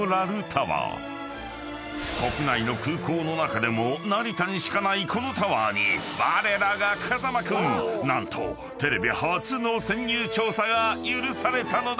［国内の空港の中でも成田にしかないこのタワーにわれらが風間君何とテレビ初の潜入調査が許されたのだ］